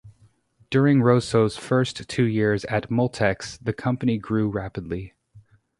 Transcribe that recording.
During Rosso's first two years at Moltex the company grew rapidly.